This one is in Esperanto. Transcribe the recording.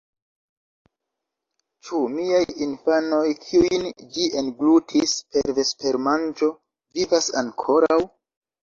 "Ĉu miaj infanoj, kiujn ĝi englutis por vespermanĝo, vivas ankoraŭ?"